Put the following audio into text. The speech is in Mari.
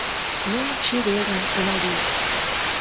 Ну, чеверын, Унавий!